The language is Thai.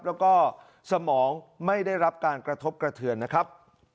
แล้วก็สมองไม่ได้รับการกระทบกระเทือนนะครับ